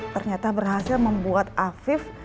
ternyata berhasil membuat afif